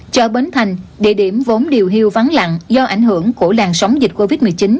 chợ bến thành địa điểm vốn điều hưu vắng lặng do ảnh hưởng của làn sóng dịch covid một mươi chín